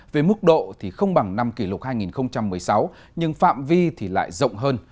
về mức độ thì không bằng năm kỷ lục hai nghìn một mươi sáu nhưng phạm vi thì lại rộng hơn